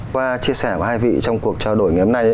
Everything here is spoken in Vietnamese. qua chia sẻ của hai vị trong cuộc trao đổi ngày hôm nay